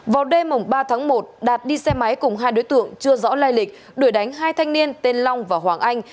vào đêm ba tháng một đạt đi xe máy cùng hai đối tượng chưa rõ lai lịch đuổi đánh hai thanh niên tên long và hoàng anh